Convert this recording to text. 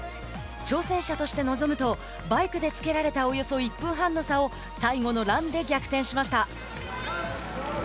挑戦者として臨むとバイクでつけられたおよそ１分半の差を最後のランで逆転しました。